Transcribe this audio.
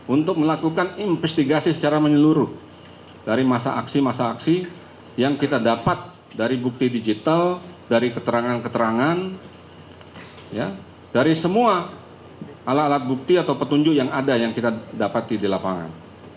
untuk melakukan investigasi secara menyeluruh dari masa aksi masa aksi yang kita dapat dari bukti digital dari keterangan keterangan dari semua alat alat bukti atau petunjuk yang ada yang kita dapati di lapangan